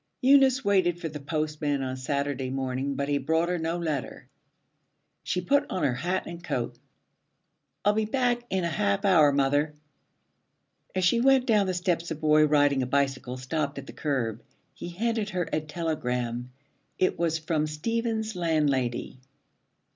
Eunice waited for the postman on Saturday morning, but he brought her no letter. She put on her hat and coat. 'I'll be back in a half hour, mother.' As she went down the steps a boy riding a bicycle stopped at the curb. He handed her a telegram. It was from Stephen's landlady.